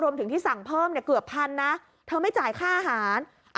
รวมถึงที่สั่งเพิ่มเนี่ยเกือบพันนะเธอไม่จ่ายค่าอาหาร